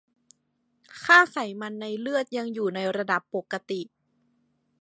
ค่าไขมันในเลือดยังอยู่ในระดับปกติ